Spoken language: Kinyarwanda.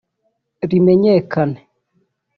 rimenyekane